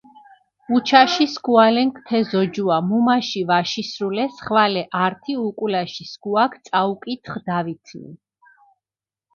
უჩაში სქუალენქ თე ზოჯუა მუმაში ვაშისრულეს, ხვალე ართი უკულაში სქუაქ წაუკითხჷ დავითნი.